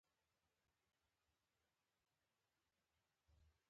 کوربه د نورو خوښي غواړي.